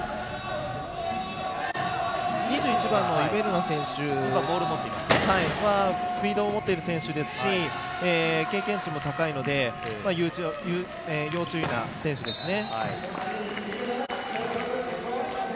２１番のイベルナ選手はスピードを持っている選手ですし経験値も高いので要注意な選手ですね。